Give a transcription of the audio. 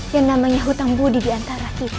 yang namanya hutang budi diantara kita